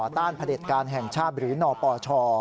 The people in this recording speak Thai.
ต้านประเด็นการแห่งชาติบรินฯภป่อชช